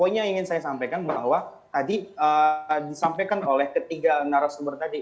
poinnya yang ingin saya sampaikan bahwa tadi disampaikan oleh ketiga narasumber tadi